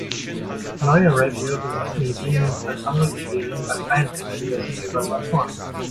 Neue Reviewer besitzen ggf. andere Kriterien als alteingesessene Evaluatoren.